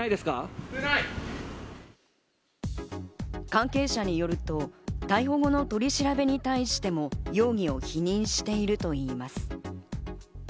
関係者によると、逮捕後の取り調べに対しても容疑を否認しているといいます。